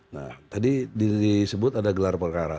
nah tadi disebut ada gelar perkara